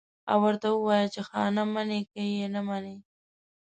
او ورته ووايي چې خانه منې که يې نه منې.